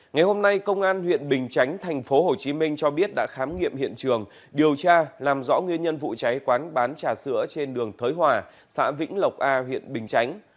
ngày hôm nay công an huyện bình chánh tp hcm cho biết đã khám nghiệm hiện trường điều tra làm rõ nguyên nhân vụ cháy quán bán trà sữa trên đường thới hòa xã vĩnh lộc a huyện bình chánh